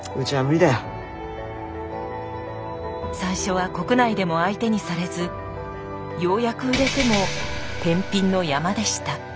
最初は国内でも相手にされずようやく売れてもどうすんだ？